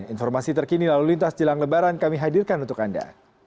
informasi terkini lalu lintas jelang lebaran kami hadirkan untuk anda